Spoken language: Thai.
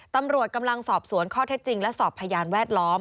ตำรวจกำลังสอบสวนข้อเท็จจริงและสอบพยานแวดล้อม